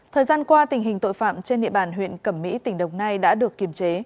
thời gian qua tình hình tội phạm trên địa bàn huyện cẩm mỹ tỉnh đồng nai đã được kiềm chế